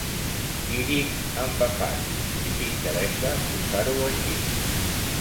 Iris embafats, si t'interessa posar-ho així.